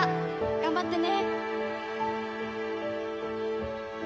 頑張ってね。